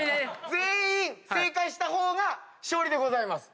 全員正解した方が勝利でございます。